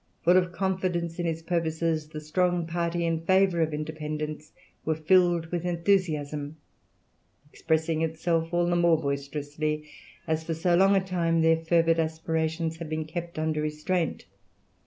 Full of confidence in his purposes, the strong party in favour of independence were filled with enthusiasm expressing itself all the more boisterously as for so long a time their fervid aspirations had been kept under restraint.